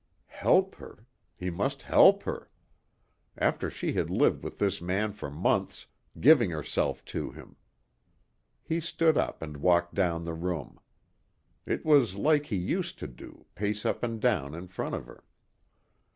Help her! He must help her! After she had lived with this man for months, giving herself to him! He stood up and walked down the room. It was like he used to do, pace up and down in front of her.